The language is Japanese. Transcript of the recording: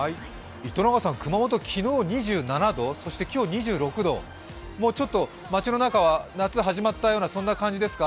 熊本は昨日、２７度、今日２６度ちょっと街の中は夏が始まったような感じですか？